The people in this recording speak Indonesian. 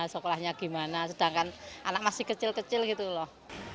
sekolahnya gimana sedangkan anak masih kecil kecil gitu loh